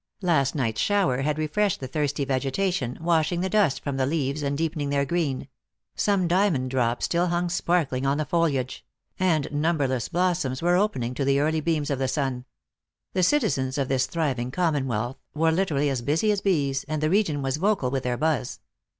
Last night s shower had re freshed the thirsty vegetation, washing the dust from the leaves and deepening their green ; some diamond drops still hung sparkling on the foliage ; and num berless blossoms were opening to the early beams of the sun. The citizens of this thriving commonwealth were literally as busy as bees, and the region was vocal with their buzz.